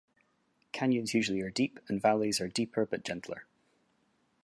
Canyons usually are deep and valleys are deeper but gentler.